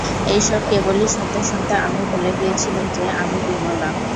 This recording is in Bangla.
এই-সব কেবলই শুনতে শুনতে আমি ভুলে গিয়েছিলুম যে, আমি বিমলা।